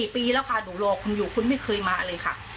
ปีแล้วค่ะหนูรอคุณอยู่คุณไม่เคยมาเลยค่ะ